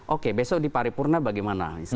oke besok di paripurna bagaimana